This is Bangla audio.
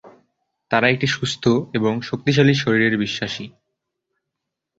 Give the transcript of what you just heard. তারা একটি সুস্থ এবং শক্তিশালী শরীরের বিশ্বাসী।